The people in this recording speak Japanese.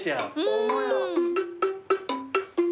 ホンマや。